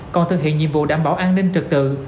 còn thực hiện nhiệm vụ đảm bảo an ninh trực tự